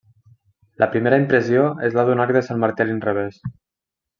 La primera impressió és la d'un arc de Sant Martí a l'inrevés.